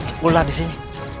ah ular di sini